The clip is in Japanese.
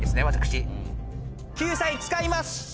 救済使います！